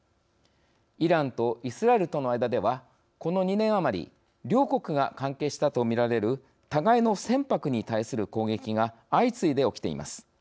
イランとイスラエルとの間ではこの２年余り両国が関係したとみられる互いの船舶に対する攻撃が相次いで起きています。